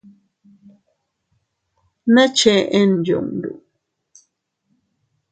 ¿Ne chen yundu?